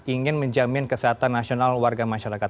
ingin menjamin kesehatan nasional warga masyarakat